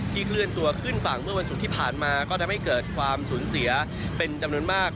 เคลื่อนตัวขึ้นฝั่งเมื่อวันศุกร์ที่ผ่านมาก็ทำให้เกิดความสูญเสียเป็นจำนวนมาก